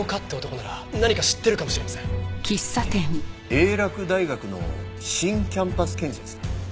英洛大学の新キャンパス建設？